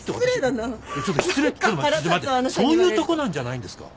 そういうとこなんじゃないんですか？